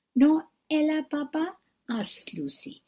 "Not Ella, papa?" asked Lucy.